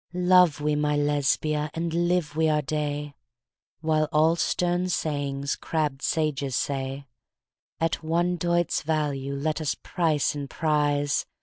Love we (my Lesbia!) and live we our day, While all stern sayings crabbed sages say, At one doit's value let us price and prize!